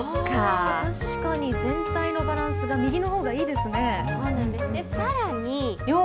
確かに、全体のバランスが右のほうがいいですね。